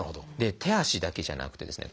手足だけじゃなくてですね